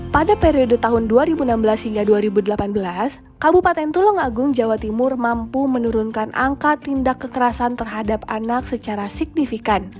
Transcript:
pada periode tahun dua ribu enam belas hingga dua ribu delapan belas kabupaten tulung agung jawa timur mampu menurunkan angka tindak kekerasan terhadap anak secara signifikan